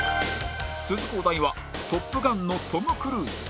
続くお題は『トップガン』のトム・クルーズ